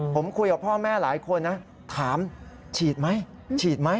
ผมคุยกับพ่อแม่หลายคนนะถามฉีดไหมฉีดไหม